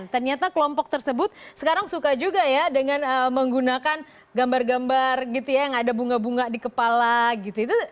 ternyata kelompok tersebut sekarang suka juga ya dengan menggunakan gambar gambar gitu ya yang ada bunga bunga di kepala gitu